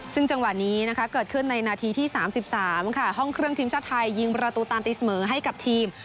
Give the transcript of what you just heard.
ซึ่งจังหวะนี้นะคะเกิดขึ้นในนาทีที่๓๓ค่ะห้องเครื่องทีมชาติไทยยิงประตูตามตีเสมอให้กับทีม